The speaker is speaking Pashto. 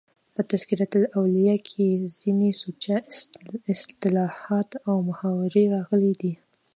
په "تذکرة الاولیاء" کښي ځيني سوچه اصطلاحات او محاورې راغلي دي.